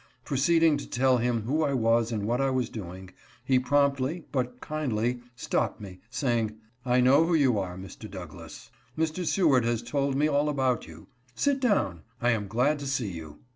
Proceeding to tell him who I was and what I was doing, he promptly, but kindly, stopped me, saying: " I know who you are, Mr. Douglass; Mr. Seward has told me all about you. Sit down. I am glad to see you."